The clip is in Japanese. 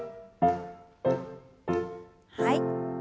はい。